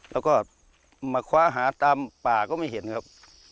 แล้วก็มาคว้าหาตามป่าก็ไม่เห็นครับ